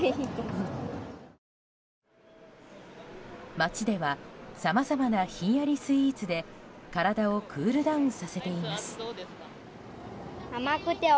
街ではさまざまなひんやりスイーツで体をクールダウンさせています。